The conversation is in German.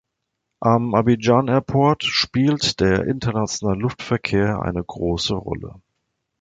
Am Abidjan Airport spielt der internationale Luftverkehr eine große Rolle.